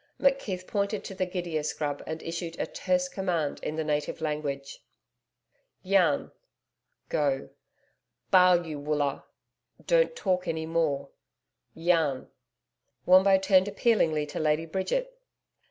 McKeith pointed to the gidia scrub and issued a terse command in the native language. 'YAN' (go). 'BA'AL YOU WOOLLA' (don't talk any more). 'YAN.' Wombo turned appealingly to Lady Bridget.